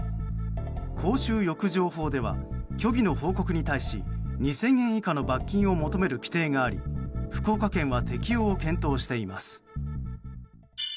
公衆浴場法では虚偽の報告に対し２０００円以下の罰金を求める規定があり福岡県は適用を検討しています。